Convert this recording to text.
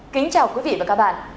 kính chào quý vị và các bạn